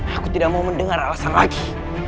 aku tidak mau mendengar alasan lagi